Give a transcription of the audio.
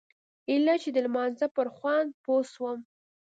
ايله چې د لمانځه پر خوند پوه سوم.